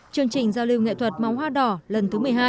chương trình giao liêu nghệ thuật màu hoa đỏ lần thứ một mươi hai